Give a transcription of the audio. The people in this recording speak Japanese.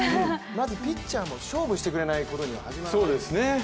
まずピッチャーも勝負してくれないことには始まらないですからね